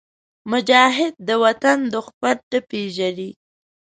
مجاهد د وطن دښمن نه پېژني.